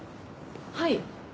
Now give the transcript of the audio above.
はい。